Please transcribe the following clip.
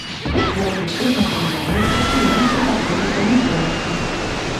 Вытворчасць будматэрыялаў, прадпрыемствы харчовай прамысловасці.